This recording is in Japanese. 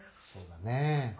そうだね。